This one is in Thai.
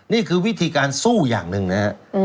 นี่คือวิธีการสู้อย่างหนึ่งนะฮะ